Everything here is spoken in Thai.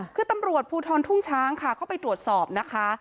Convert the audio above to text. คือตำรวจภูทรทุ่งช้างค่ะเข้าไปตรวจสอบนะคะ